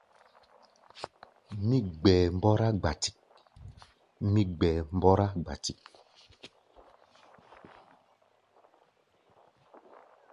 Mí gbɛɛ mbɔ́rá gbatik.